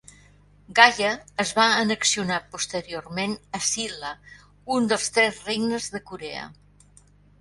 Gaya es va annexionar posteriorment a Silla, un dels tres regnes de Corea.